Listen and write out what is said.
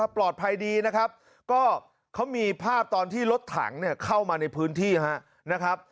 ปลอดภัยดีนะครับก็เขามีภาพตอนที่รถถังเข้ามาในพื้นที่นะครับ